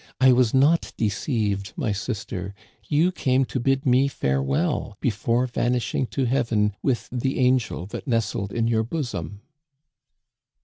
I was not deceived, my sister ! You came to bid me farewell before vanishing to heaven with the angel that nestled in your bosom